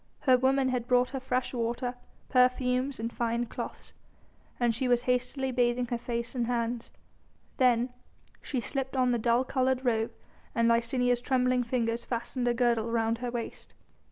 Her women had brought her fresh water, perfumes and fine cloths, and she was hastily bathing her face and hands. Then, she slipped on the dull coloured robe and Licinia's trembling fingers fastened a girdle round her waist.